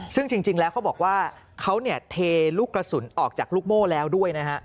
ซึ่งจริงแล้วเขาบอกว่าเขาเทลูกกระสุนออกจากลูกโม่แล้วด้วยนะฮะ